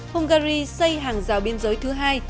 hungary xây hàng rào biên giới thứ hai